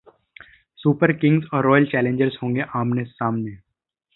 super Kings और Royal Challengers होंगे आमने-सामने